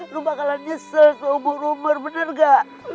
lu bakalan nyesel seumur umur gak